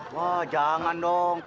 wah jangan dong